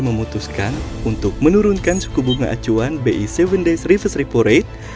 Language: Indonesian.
memutuskan untuk menurunkan suku bunga acuan bi tujuh days reverse repo rate